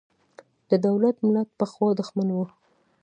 د دولت–ملت پخوا دښمن و.